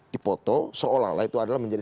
dipoto seolah olah itu adalah menjadi